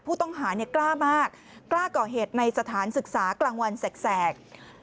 ผู้ต้องหากล้ามากกล้าก่อเหตุในสถานศึกษากลางวันแสก